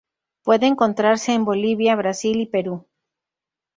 Puede encontrarse en Bolivia, Brasil y Perú.